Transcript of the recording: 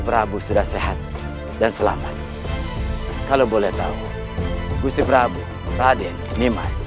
prabu sudah sehat dan selamat kalau boleh tahu gusti prabu raden nimas